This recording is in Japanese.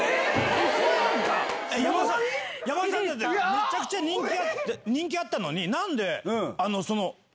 めちゃくちゃ人気あったのに何で。